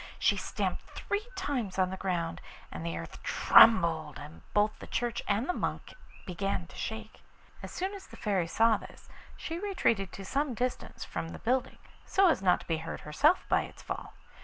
She stamped three times on the ground, and the earth trembled, and both the church and the monk began to shake. As soon as the Fairy saw this she retreated to some distance from the building, so as not to be hurt herself by its fall.